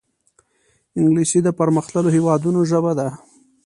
انګلیسي د پرمختللو هېوادونو ژبه ده